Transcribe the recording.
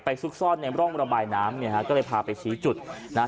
ซุกซ่อนในร่องระบายน้ำเนี่ยฮะก็เลยพาไปชี้จุดนะฮะ